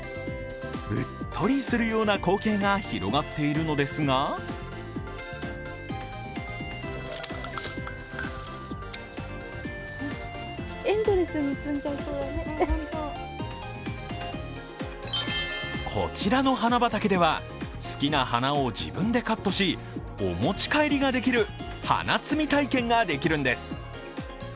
うっとりするような光景が広がっているのですがこちらの花畑では好きな花を自分でカットしお持ち帰りができる花摘み体験ができるんです。